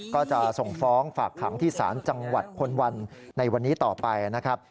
ก็จะส่งฟ้องฝากขังที่ศาลจังหวัดพลวันในวันนี้ต่อไปนะครับ